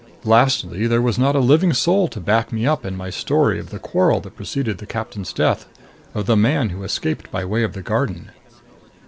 Lastly, there was not a living soul to back me up in my story of the quarrel that preceded the captain's death, of the man who escaped by way of the garden.